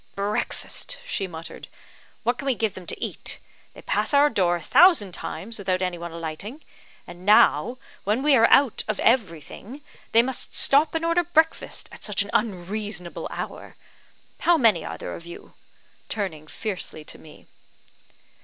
"Breakfast!" she muttered, "what can we give them to eat? They pass our door a thousand times without any one alighting; and now, when we are out of everything, they must stop and order breakfast at such an unreasonable hour. How many are there of you?" turning fiercely to me.